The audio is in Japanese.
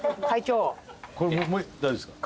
これもう大丈夫ですか？